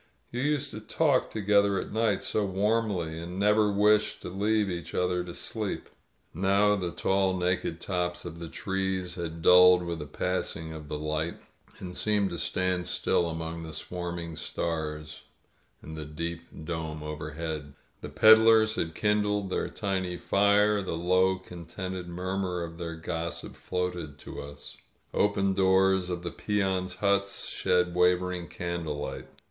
You used to talk together at night so warmly, and never wished to leave each other to sleep. ..." Now the tall, naked tops of the trees had dulled with the passing of the light, and seemed to stand still £mong the swarming stars in the deep dome overhead. f riW peddlers had kindled their tiny fire ; the low, con tented murmur of their gossip floated to us. Open doors of the peons' huts shed wavering candlelight.